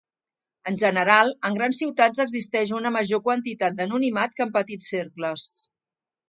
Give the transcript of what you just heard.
En general, en grans ciutats existeix una major quantitat d'anonimat que en petits cercles.